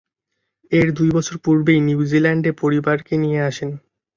এর দুই বছর পূর্বেই নিউজিল্যান্ডে পরিবারকে নিয়ে আসেন।